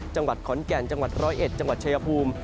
จังหวัดขอนแก่นจังหวัดร้อยเอ็ดจังหวัดชายภูมิ